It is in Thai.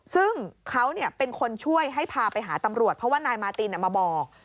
ซึ่งเขาเป็นคนช่วยให้พาไปหาตำรวจเพราะว่านายมาตินมาบอก